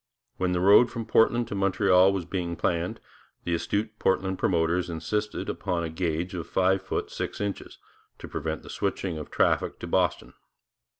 When the road from Portland to Montreal was being planned, the astute Portland promoters insisted upon a gauge of five feet six inches, to prevent the switching of traffic to Boston.